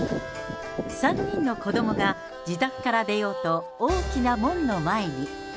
３人の子どもが自宅から出ようと、大きな門の前に。